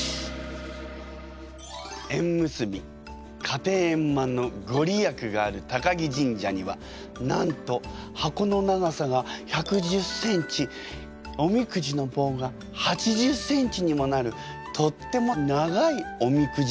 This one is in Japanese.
家庭円満の御利益がある高城神社にはなんと箱の長さが１１０ｃｍおみくじの棒が８０ｃｍにもなるとっても長いおみくじがあるの。